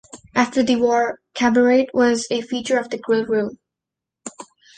After the war cabaret was a feature of the Grill Room.